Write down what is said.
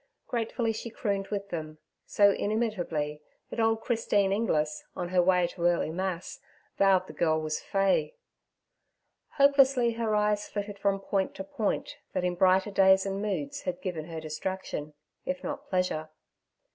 Gratefully she crooned with them, so inimitably that old Christine Inglis, on her way to early Mass, vowed the girl was fey. Hopelessly her eyes flitted from point to point that in brighter days and moods had given her distraction, if not pleasure.